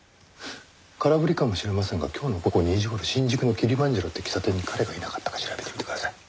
空振りかもしれませんが今日の午後２時頃新宿のキリマンジャロって喫茶店に彼がいなかったか調べてみてください。